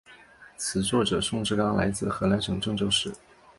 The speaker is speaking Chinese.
词作者宋志刚来自河南省郑州市。